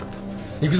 行くぞ。